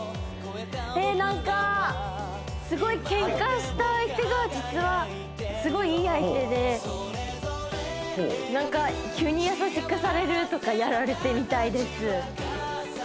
えなんかすごいケンカした相手が実はすごいいい相手でなんか急に優しくされるとかやられてみたいです